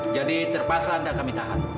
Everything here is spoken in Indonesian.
jadi terpaksa anda kami tahan